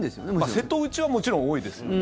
瀬戸内はもちろん多いですよね。